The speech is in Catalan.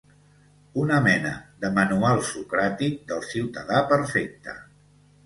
una mena de manual socràtic del ciutadà perfecte